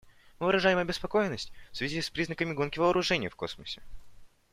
Мы выражаем обеспокоенность в связи с признаками гонки вооружений в космосе.